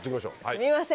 すみません。